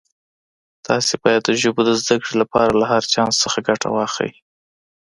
تاسي باید د ژبو د زده کړې لپاره له هر چانس څخه ګټه واخلئ.